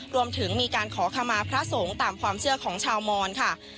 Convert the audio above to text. รวมถึงมีการขอขมาพระสงฆ์ตามความเชื่อของชาวมอนค่ะ